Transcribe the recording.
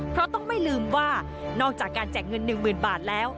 เพราะต้องไม่ลืมว่านอกจากการแจกเงิน๑๐๐๐บาทแล้ว